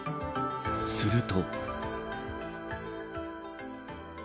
すると。